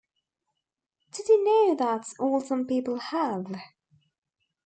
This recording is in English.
Did you know that's all some people have?